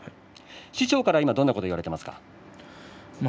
師匠からは、どんなふうに言われていますか？